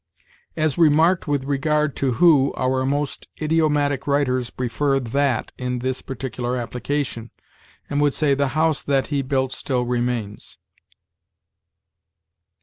As remarked with regard to who, our most idiomatic writers prefer that in this particular application, and would say, 'The house that he built still remains.'"